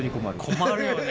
困るよね。